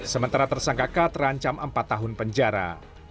sementara tersangkaka terancam empat tahun penjara